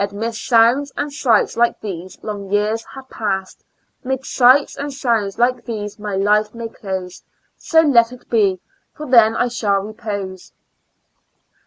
'Mid sounds and sights like these, long years have pass 'Mid sights and sounds like these my life may close ; So let it be — for then I shall repose.